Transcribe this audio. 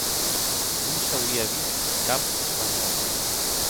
Non s'auie vist cap espanhòu.